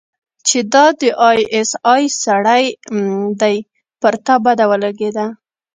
چې دا د آى اس آى سړى دى پر تا بده ولګېده.